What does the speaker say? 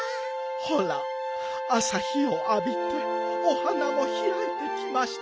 ほらあさ日をあびてお花もひらいてきましたわよ。